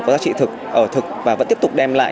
có giá trị thực và vẫn tiếp tục đem lại